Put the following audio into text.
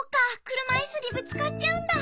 くるまいすにぶつかっちゃうんだ。